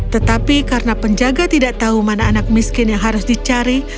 tetapi karena penjaga tidak tahu mana anak miskin yang harus dicari